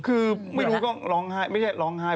คือไม่รู้ก็ร้องไห้ไม่ใช่ร้องไห้